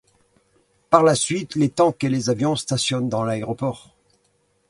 Par la suite, les tanks et les avions stationnent dans l'aéroport.